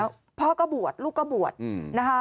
มักสนาการนุ่งจิวอนอันนี้คือการบวชเนนนี่ครับ